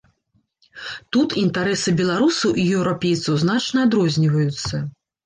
Тут інтарэсы беларусаў і еўрапейцаў значна адрозніваюцца.